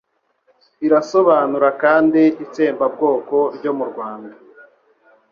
Irasobanura kandi itsembabwoko ryo mu Rwanda